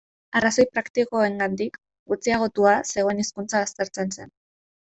Arrazoi praktikoengatik gutxiagotua zegoen hizkuntza baztertzen zen.